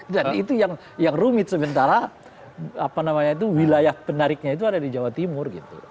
dan itu yang rumit sementara apa namanya itu wilayah penariknya itu ada di jawa timur gitu